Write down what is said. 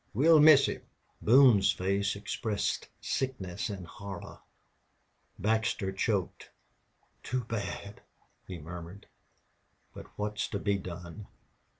"We'll miss him." Boone's face expressed sickness and horror. Baxter choked. "Too bad!" he murmured, "but what's to be done?"